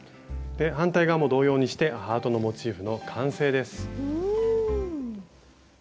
反対側も同様にしてハートのモチーフの完成です。